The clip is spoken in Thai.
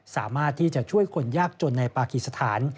สามารถที่จะช่วยคนยากจนในปากีสถาน